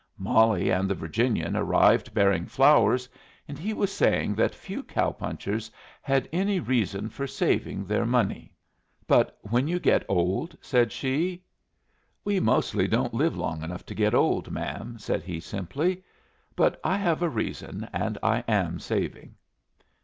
Molly and the Virginian arrived bearing flowers, and he was saying that few cow punchers had any reason for saving their money. "But when you get old?" said she. "We mostly don't live long enough to get old, ma'am," said he, simply. "But I have a reason, and I am saving."